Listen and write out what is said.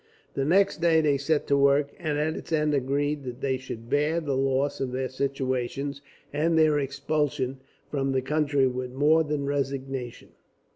The next day they set to work, and at its end agreed that they should bear the loss of their situations, and their expulsion from the country, with more than resignation.